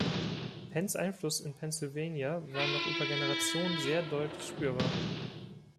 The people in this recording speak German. Penns Einfluss in Pennsylvania war noch über Generationen sehr deutlich spürbar.